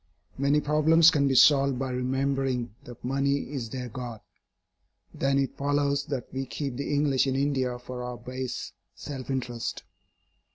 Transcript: Many problems can be solved by remembering that money is their God. Then it follows that we keep the English in India for our base self interest.